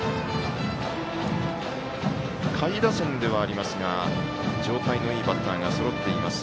下位打線ではありますが状態のいいバッターがそろっています。